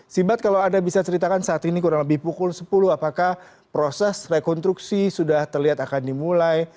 sibat kalau anda bisa ceritakan saat ini kurang lebih pukul sepuluh apakah proses rekonstruksi sudah terlihat akan dimulai